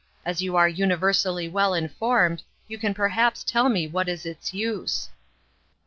As you are universally well informed, you can perhaps tell me what is its use."